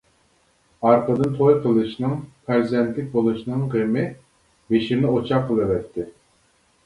ئارقىدىن توي قىلىشنىڭ، پەرزەنتلىك بولۇشنىڭ غېمى بېشىمنى ئوچاق قىلىۋەتتى.